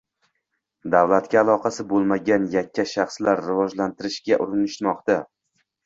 – davlatga aloqasi bo‘lmagan yakka shaxslar rivojlantirishga urinishmoqda.